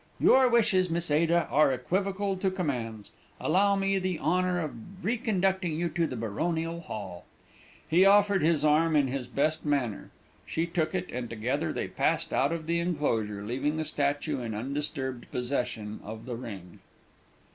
"Your wishes, Miss Ada, are equivocal to commands; allow me the honour of reconducting you to the Baronial Hall." He offered his arm in his best manner; she took it, and together they passed out of the enclosure, leaving the statue in undisturbed possession of the ring.